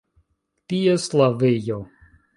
Ties lavejo.